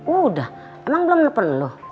udah emang belum telepon lu